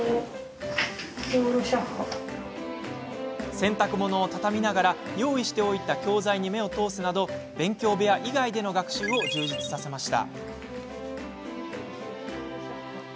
洗濯物を畳みながら用意しておいた教材に目を通すなど勉強部屋以外での学習を充実させました。